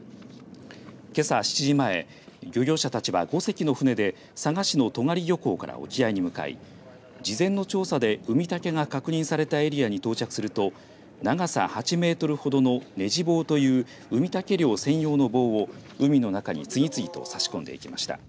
けさ７時前、漁業者たちは５隻の船で佐賀市の戸ヶ里漁港から沖合に向かい事前の調査でウミタケが確認されたエリアに到着すると長さ８メートルほどのネジ棒というウミタケ漁専用の棒を海の中に次々と差し込んでいきました。